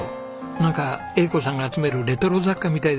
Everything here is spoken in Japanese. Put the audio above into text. なんか栄子さんが集めるレトロ雑貨みたいですね。